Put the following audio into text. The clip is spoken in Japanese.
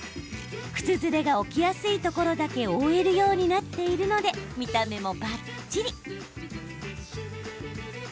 靴ずれが起きやすいところだけ覆えるようになっているので見た目もばっちり。